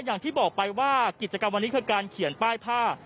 อย่างที่บอกไปว่ากิจกรรมวันนี้คือการเขียนป้ายผ้า